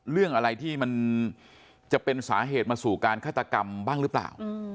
เรื่องอะไรที่มันจะเป็นสาเหตุมาสู่การฆาตกรรมบ้างหรือเปล่า